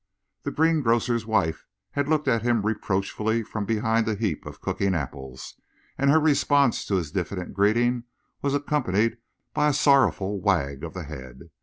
The greengrocer's wife had looked at him reproachfully from behind a heap of cooking apples, and her response to his diffident greeting was accompanied by a sorrowful wag of the head.